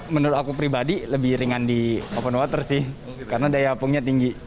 menurut aku pribadi lebih ringan di open water sih karena daya apungnya tinggi